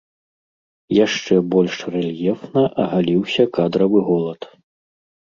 Яшчэ больш рэльефна агаліўся кадравы голад.